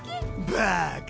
バカ！